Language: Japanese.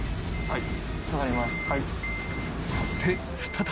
はい。